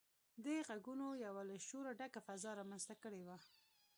دې غږونو يوه له شوره ډکه فضا رامنځته کړې وه.